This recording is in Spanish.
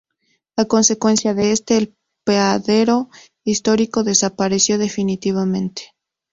A consecuencia de este, el apeadero histórico desapareció definitivamente.